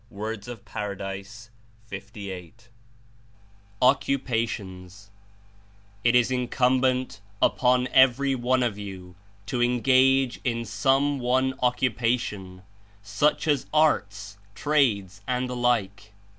(JF. of P. 38^) OCCUPATIOy^ "It is Incumbent upon everv one of you to engage In some one occupation, such as arts, trades, and the like.